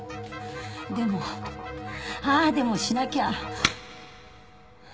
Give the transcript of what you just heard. でもああでもしなきゃ。